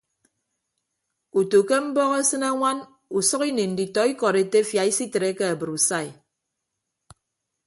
Utu ke mbọk esịne añwan usʌk ini nditọ ikọd etefia isitreke abrusai.